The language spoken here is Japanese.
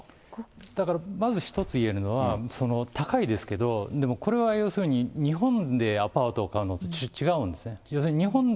だからまず１つ言えるのは、高いですけど、でもこれは要するに、日本でアパートを買うのと違うんですね。